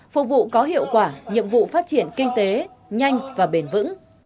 phục vụ có hiệu quả nhiệm vụ phát triển kinh tế nhanh và bền vững